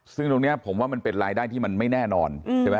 ซึ่งตรงนี้ผมว่ามันเป็นรายได้ที่มันไม่แน่นอนใช่ไหม